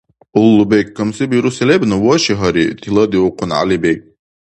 Уллубег, камси бируси лебну, ваши, гьари, — тиладиухъун ГӀялибег.